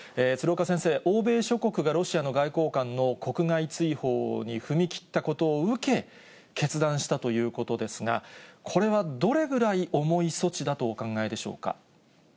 鶴岡先生、欧米諸国がロシアの外交官の国外追放に踏み切ったことを受け、決断したということですが、これはどれぐらい重い措置だとお考えでしょうか？